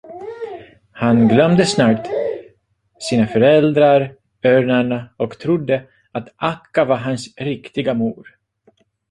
Han glömde snart sina föräldrar, örnarna, och trodde, att Akka var hans riktiga mor.